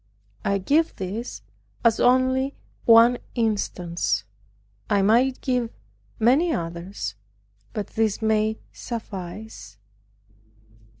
I give this as only one instance. I might give many others, but this may suffice.